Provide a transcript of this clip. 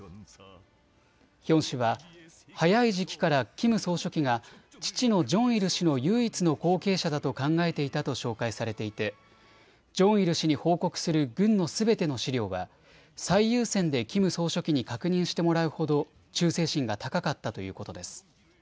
ヒョン氏は早い時期からキム総書記が父のジョンイル氏の唯一の後継者だと考えていたと紹介されていてジョンイル氏に報告する軍のすべての資料は最優先でキム総書記に確認してもらうほど忠誠心が高かったということです。